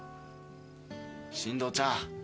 進藤ちゃん。